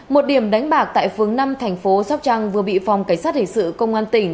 một điểm đánh bạc tại phương năm thành phố sóc trăng vừa bị phòng cảnh sát hình sự công an tỉnh